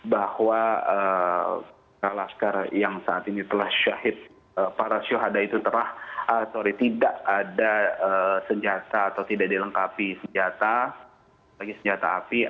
bahwa kalaskar yang saat ini telah syahid para syuhada itu telah sorry tidak ada senjata atau tidak dilengkapi senjata